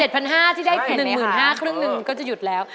๗๕๐๐บาทที่ได้๑๕๐๐๐บาทครึ่งหนึ่งก็จะหยุดแล้ว